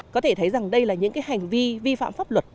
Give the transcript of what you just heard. có thể thấy rằng đây là những hành vi vi phạm pháp luật